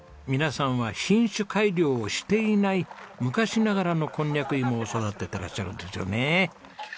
皆さんは品種改良をしていない昔ながらのこんにゃく芋を育ててらっしゃるんですよねえ。